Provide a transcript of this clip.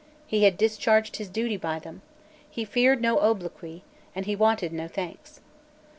He had discharged his duty by them. He feared no obloquy; and he wanted no thanks.